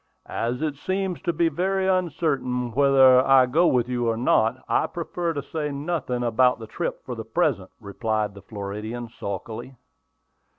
"As it seems to be very uncertain whether I go with you or not, I prefer to say nothing about the trip for the present," replied the Floridian, sulkily.